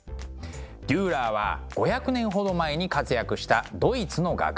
デューラーは５００年ほど前に活躍したドイツの画家。